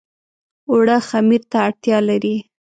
اوړه خمیر ته اړتيا لري